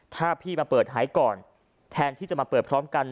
ถ้าพี่มาเปิดหายก่อนแทนที่จะมาเปิดพร้อมกัน